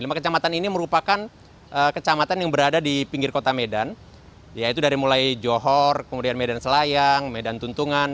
lima kecamatan ini merupakan kecamatan yang berada di pinggir kota medan yaitu dari mulai johor kemudian medan selayang medan tuntungan